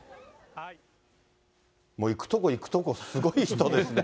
行く所、行く所、すごい人ですね。